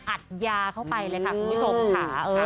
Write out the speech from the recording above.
อัดยาเข้าไปเลยค่ะคุณผู้ชมค่ะ